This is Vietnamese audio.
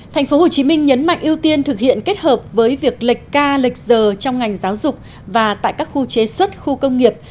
thành phố hồ chí minh nhấn mạnh ưu tiên thực hiện kết hợp với việc lệch ca lệch giờ trong ngành giáo dục và tại các khu chế xuất khu công nghiệp